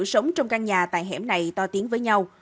sống trong căn nhà tại hẻm này to tiếng với nhau